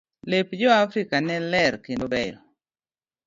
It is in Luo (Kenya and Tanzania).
Lep jo afrika ne ler kendo beyo.